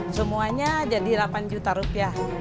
semuanya jadi delapan juta rupiah